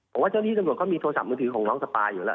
ผมว่าเจ้าหน้าที่ตำรวจก็มีโทรศัพท์มือถือของน้องสปายอยู่แล้ว